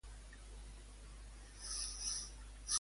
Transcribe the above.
Em ve de gust sentir musiqueta per ballar una moixiganga.